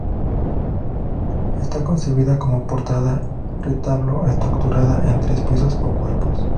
Está concebida como portada-retablo, estructurada en tres pisos o cuerpos.